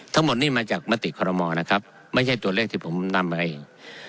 ทั้งหมดนี่มาจากมติคอรมอลนะครับไม่ใช่ตัวเลขที่ผมนำมาเอง